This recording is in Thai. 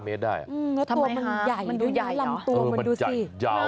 เมตรได้อืมแล้วตัวมันใหญ่มันดูใหญ่เหรอเออมันใหญ่ยาว